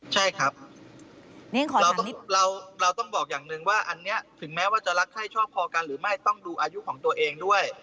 ใช่ครับเราต้องบอกอย่างหนึ่งว่าอันนี้ถึงแม้ว่าจะรักใครชอบพอกันหรือไม่ต้องดูอายุของตัวเองด้วย